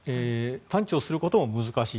探知をすることも難しい。